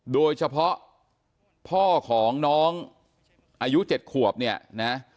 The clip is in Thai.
โดยเฉพาะพ่อของน้องอายุ๗ขวบเนี่ยนะ